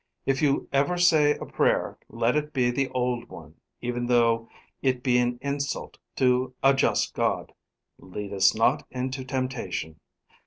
"If you ever say a prayer, let it be the old one, even though it be an insult to a just God: 'Lead us not into temptation.'